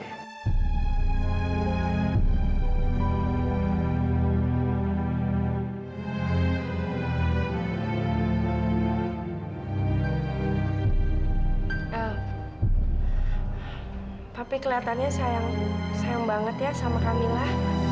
eh papi kelihatannya sayang sayang banget ya sama kamila